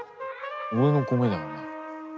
俺の米だよお前。